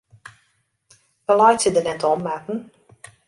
Wy laitsje der net om, Marten.